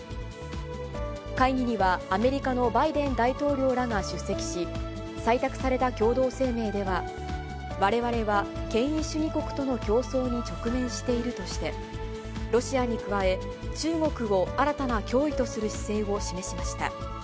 会議にはアメリカのバイデン大統領らが出席し、採択された共同声明では、われわれは権威主義国との競争に直面しているとして、ロシアに加え、中国を新たな脅威とする姿勢を示しました。